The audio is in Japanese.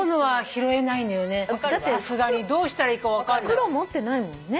袋持ってないもんね。